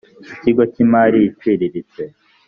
ikigo cy imari iciriritse